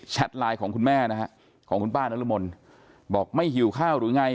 ไลน์ของคุณแม่นะฮะของคุณป้านรมนบอกไม่หิวข้าวหรือไง